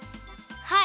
はい！